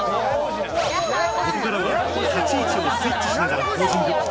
ここからは立ち位置をスイッチしながらポージング。